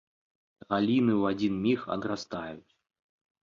Галіны ў адзін міг адрастаюць.